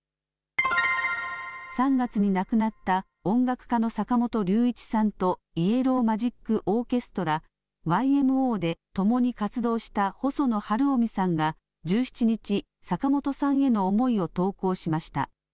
３月に亡くなった音楽家の坂本龍一さんとイエロー・マジック・オーケストラ・ＹＭＯで共に活動した細野晴臣さんが、１７日、坂本さんへの思いを投稿しました。